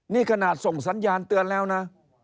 นี่ขนาดส่งสัญญาณเตือนแล้วนะ